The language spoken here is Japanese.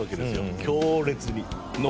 強烈に。